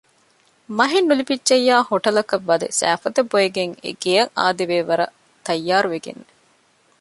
މަހެއް ނުލިބިއްޖެޔާ ހޮޓަލަކަށް ވަދެ ސައިފޮދެއް ބޮއެގެން ގެއަށް އާދެވޭ ވަރަށް ތައްޔާރުވެގެންނެ